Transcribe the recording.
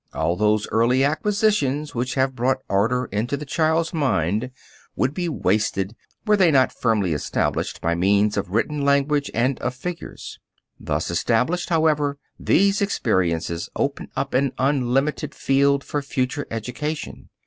All those early acquisitions which have brought order into the child's mind, would be wasted were they not firmly established by means of written language and of figures. Thus established, however, these experiences open up an unlimited field for future education.